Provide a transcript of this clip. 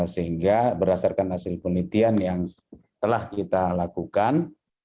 sehingga berdasarkan hasil penelitian yang telah kita lakukan